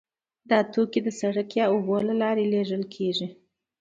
دا توکي د سړک یا اوبو له لارې لیږل کیږي